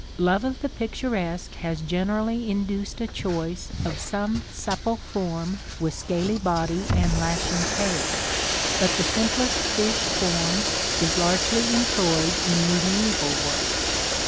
Love of the picturesque has generally induced a choice of some supple form with scaly body and lashing tail, but the simplest fish form is largely employed in mediæval work.